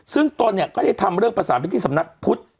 ซึ่งตนเนี่ยก็ได้ทำเรื่องประสานไปที่สำนักพุทธ